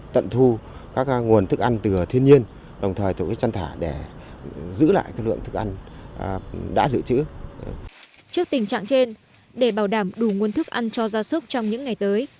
trước tình trạng trên để bảo đảm đủ nguồn thức ăn cho gia súc trong những ngày tới